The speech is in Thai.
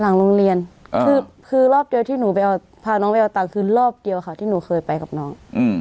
หลังโรงเรียนคือรอบเดียวที่หนูไปเอาพาน้องไปเอาตังค์คือรอบเดียวค่ะที่หนูเคยไปกับน้อง